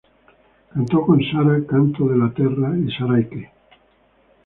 Cantó con Sarah "Canto della Terra" y "Sarai Que".